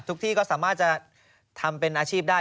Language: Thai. ที่ก็สามารถจะทำเป็นอาชีพได้